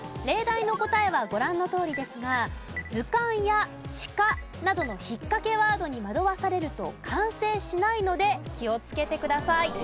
例題の答えはご覧のとおりですがズカンやシカなどのひっかけワードに惑わされると完成しないので気をつけてください。